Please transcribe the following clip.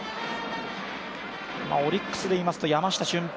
オリックスでいいますと山下舜平